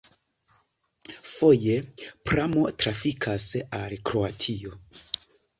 Foje pramo trafikas al Kroatio.